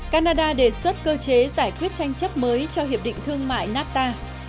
canada đề xuất cơ chế giải quyết tranh chấp mới cho hiệp định thương mại nafta